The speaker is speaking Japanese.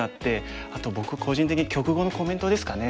あと僕個人的に局後のコメントですかね。